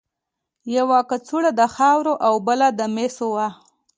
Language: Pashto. یوه کڅوړه د خاورو او بله د مسو وه.